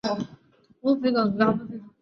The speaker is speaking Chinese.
兔姓居民多住于四川等地。